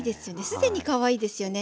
かわいいですよね。